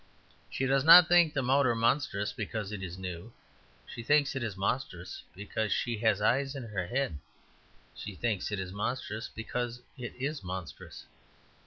She does not think the motor monstrous because it is new. She thinks it monstrous because she has eyes in her head; she thinks it monstrous because it is monstrous.